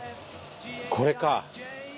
これか。